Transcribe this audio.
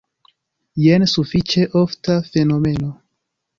Jen sufiĉe ofta fenomeno.